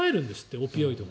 オピオイドが。